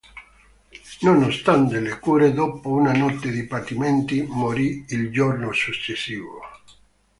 Nonostante le cure, dopo una notte di patimenti, morì il giorno successivo.